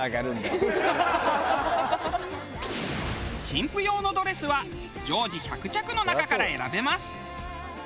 新婦用のドレスは常時１００着の中から選べます。